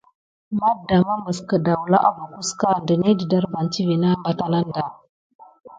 Matdamba məs kədawla abbockəka ɗənəhi dədarbane tivé nawtoŋ ananda.